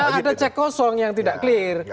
jadi ada cek kosong yang tidak clear